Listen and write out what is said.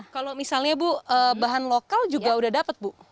kalau misalnya bu bahan lokal juga udah dapat bu